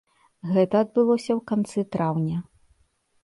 Гэта адбылося ў канцы траўня.